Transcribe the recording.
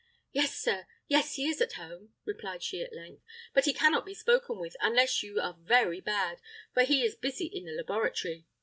"Yes, sir; yes, he is at home," replied she at length; "but he cannot be spoken with, unless you are very bad, for he is busy in the laboratory."